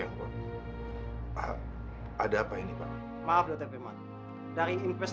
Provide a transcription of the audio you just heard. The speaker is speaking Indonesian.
ya tekan baju mobil atau reverb nya ros papel